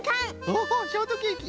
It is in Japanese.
オホショートケーキ。